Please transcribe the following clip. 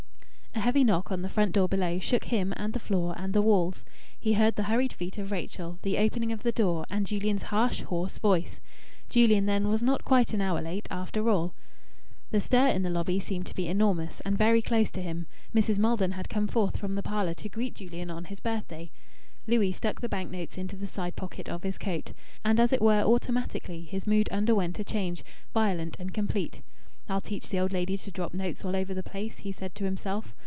A heavy knock on the front door below shook him and the floor and the walls. He heard the hurried feet of Rachel, the opening of the door, and Julian's harsh, hoarse voice. Julian, then, was not quite an hour late, after all. The stir in the lobby seemed to be enormous, and very close to him; Mrs. Maldon had come forth from the parlour to greet Julian on his birthday.... Louis stuck the bank notes into the side pocket of his coat. And as it were automatically his mood underwent a change, violent and complete. "I'll teach the old lady to drop notes all over the place," he said to himself.